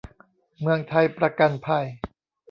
เมืองไทยประกันภัย